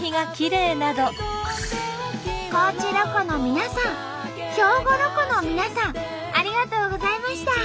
高知ロコの皆さん兵庫ロコの皆さんありがとうございました！